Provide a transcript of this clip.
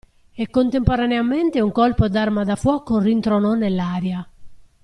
E contemporaneamente un colpo d'arma da fuoco rintronò nell'aria.